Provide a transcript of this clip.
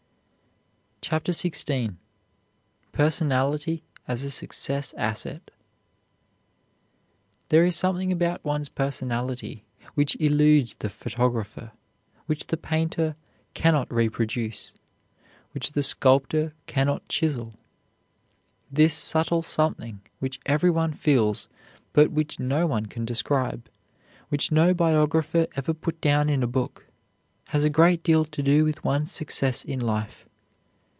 CHAPTER XVI PERSONALITY AS A SUCCESS ASSET There is something about one's personality which eludes the photographer, which the painter can not reproduce, which the sculptor can not chisel. This subtle something which every one feels, but which no one can describe, which no biographer ever put down in a book, has a great deal to do with one's success in life.